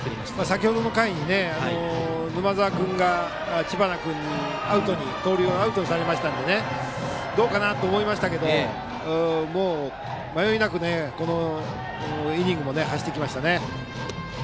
先程の回に、沼澤君が知花君に盗塁をアウトにされましたのでどうかなと思いましたけどもう迷いなくこのイニングも走ってきましたね。